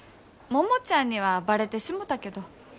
桃ちゃんにはバレてしもたけど。